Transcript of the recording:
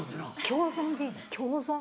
共存でいいの共存。